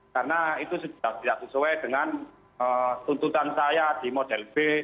karena itu tidak sesuai dengan tuntutan saya di model b